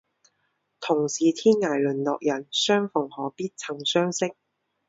同是天涯沦落人，相逢何必曾相识